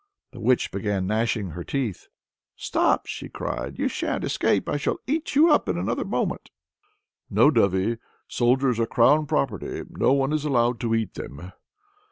The witch began gnashing her teeth. "Stop!" she cried, "you sha'n't escape! I shall eat you up in another moment." "No, dovey! Soldiers are crown property; no one is allowed to eat them."